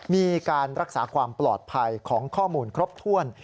มีการรักษาความปลอดภัยของข้อมูลครบถ้วน